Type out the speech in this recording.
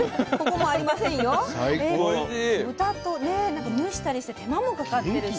豚とねなんか蒸したりして手間もかかってるし。